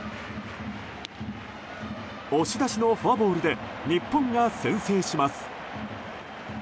押し出しのフォアボールで日本が先制します。